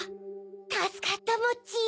たすかったモッチー。